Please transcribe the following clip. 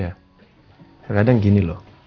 kadang kadang gini loh